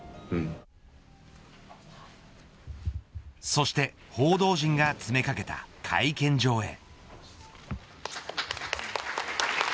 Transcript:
そして報道陣が詰めかけた会見場へ。